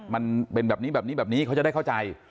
มันเป็นแบบนี้แบบนี้แบบนี้เขาจะได้เข้าใจ